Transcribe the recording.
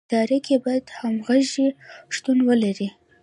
په اداره کې باید همغږي شتون ولري.